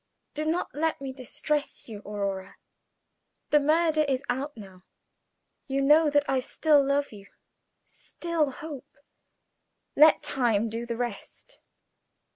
Do not let me distress you, Aurora. The murder is out now. You know that I still love you, still hope. Let time do the rest."